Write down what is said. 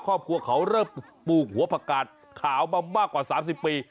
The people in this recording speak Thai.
ครอบครัวเขาเริ่มปลูกหัวผักกาดขาวมามากกว่า๓๐ปี